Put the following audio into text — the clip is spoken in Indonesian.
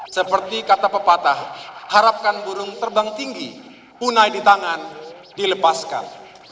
seperti kata pepatah harapkan burung terbang tinggi punai di tangan dilepaskan